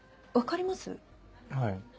はい。